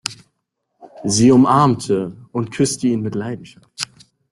Sie umarmte und küsste ihn mit Leidenschaft.